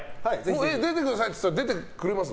出てくださいって言ったら出てくれます？